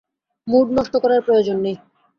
Mood নষ্ট করার প্রয়োজন নেই।